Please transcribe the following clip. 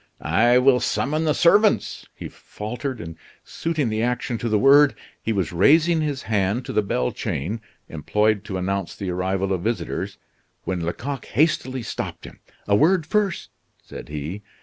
"I will summon the servants," he faltered, and suiting the action to the word, he was raising his hand to the bell chain, employed to announce the arrival of visitors, when Lecoq hastily stopped him. "A word first!" said he.